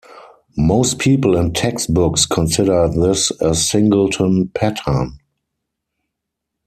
Most people and textbooks consider this a singleton pattern.